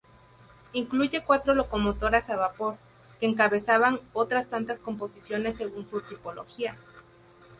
Incluye cuatro locomotoras a vapor, que encabezaban otras tantas composiciones según su tipología.